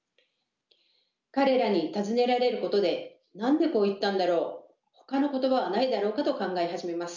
彼らに尋ねられることで何でこう言ったんだろう？ほかの言葉はないだろうかと考え始めます。